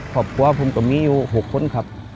ขอบคุณค่ะว่าผมกับนี่อยู่๖คนนี้ครับ